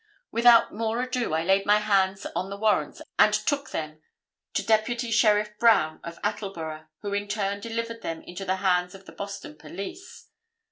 Without more ado I laid hands on the warrants and took them to Deputy Sheriff Brown of Attleboro, who in turn, delivered them into the hands of the Boston police.